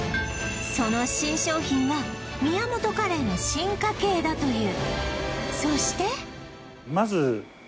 その新商品は宮本カレーの進化系だという